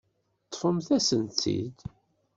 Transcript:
Ṭṭfemt-asen-tent-id.